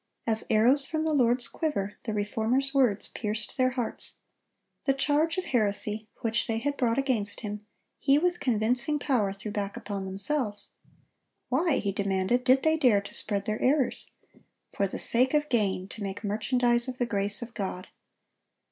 As arrows from the Lord's quiver, the Reformer's words pierced their hearts. The charge of heresy, which they had brought against him, he with convincing power threw back upon themselves. Why, he demanded, did they dare to spread their errors? For the sake of gain, to make merchandise of the grace of God.